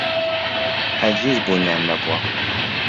هەرگیز بوونیان نەبووە.